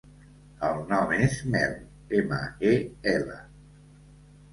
El nom és Mel: ema, e, ela.